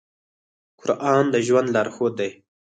قرآن د ژوند لارښود دی.